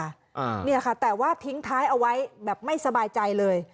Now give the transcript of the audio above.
อ่าเนี่ยค่ะแต่ว่าทิ้งท้ายเอาไว้แบบไม่สบายใจเลย